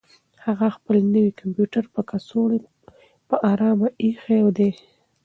هغه خپل نوی کمپیوټر په کڅوړه کې په ارامه اېښی دی.